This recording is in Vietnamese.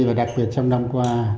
và đặc biệt trong năm qua